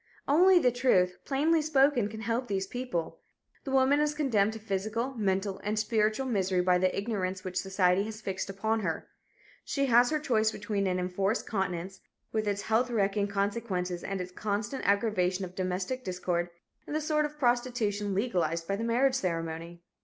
Only the truth, plainly spoken, can help these people. The woman is condemned to physical, mental and spiritual misery by the ignorance which society has fixed upon her. She has her choice between an enforced continence, with its health wrecking consequences and its constant aggravation of domestic discord, and the sort of prostitution legalized by the marriage ceremony.